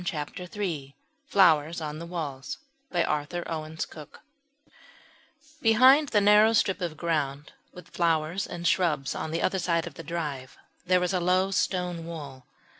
CHAPTER III FLOWERS ON THE WALLS Behind the narrow strip of ground with flowers and shrubs on the other side of the drive there is a low stone wall.